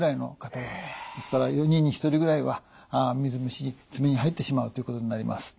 ですから４人に１人ぐらいは水虫爪に入ってしまうということになります。